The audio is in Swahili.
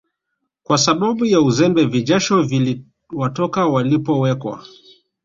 kwa sababu ya uzembe vijasho viliwatoka walipowekwa